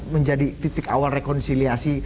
menjadi titik awal rekonsiliasi